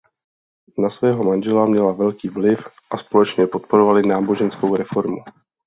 Na svého manžela měla velký vliv a společně podporovali náboženskou reformu.